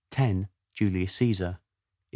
Julius Caesar. 11.